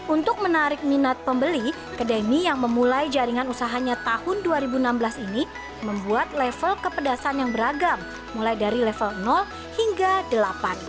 untuk menarik minat pembeli kedemi yang memulai jaringan usahanya tahun dua ribu enam belas ini membuat level kepedasan yang beragam mulai dari level hingga delapan